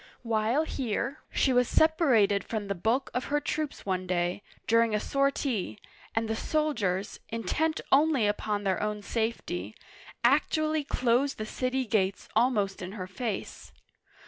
While here, she was sepa rated from the bulk of her troops one day, during a sortie, and the soldiers, intent only upon their own safety, actually closed the city gates almost in her face.